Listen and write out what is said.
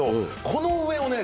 この上をね